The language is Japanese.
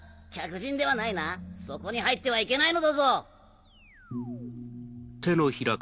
客人ではないなそこに入ってはいけないのだぞ。